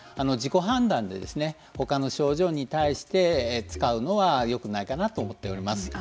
自己判断でほかの症状に対して使うのはよくないかなと思っております。